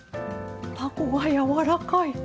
たこがやわらかい。